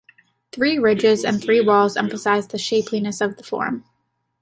Three ridges and three walls emphasize the shapeliness of the form.